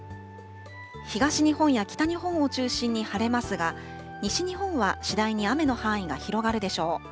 東日本や北日本を中心に晴れますが、西日本は次第に雨の範囲が広がるでしょう。